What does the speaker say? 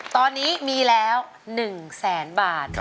ตอนนี้มีแล้ว๑๐๐๐๐๐บาท